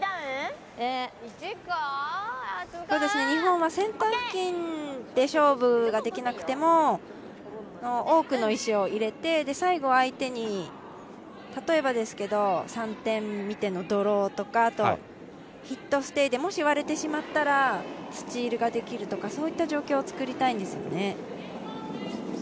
日本はセンター付近で勝負ができなくても多くの石を入れて、最後、相手に、例えばですけれども、３点見てのドローとか、あとヒット・ステイでもし割れてしまったらスチールができるとか、そういった状況を作りたいんですよね。